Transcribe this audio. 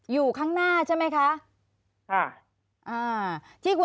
อยู่ข้างหน้าใช่ไหมคะ